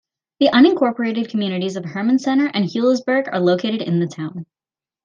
The unincorporated communities of Herman Center and Huilsburg are located in the town.